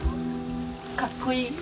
かっこいい。